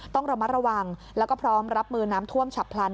ต้องระมัดระวังแล้วก็พร้อมรับมือน้ำท่วมฉับพลัน